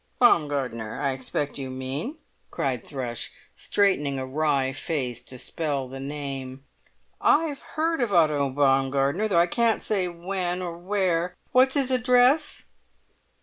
"Baumgartner, I expect you mean!" cried Thrush, straightening a wry face to spell the name. "I've heard of an Otto Baumgartner, though I can't say when or where. What's his address?"